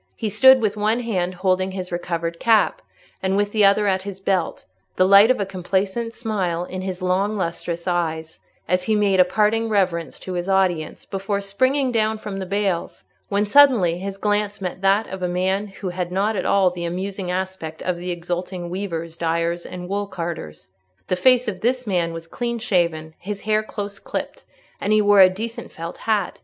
He stood with one hand holding his recovered cap, and with the other at his belt, the light of a complacent smile in his long lustrous eyes, as he made a parting reverence to his audience, before springing down from the bales—when suddenly his glance met that of a man who had not at all the amusing aspect of the exulting weavers, dyers, and woolcarders. The face of this man was clean shaven, his hair close clipped, and he wore a decent felt hat.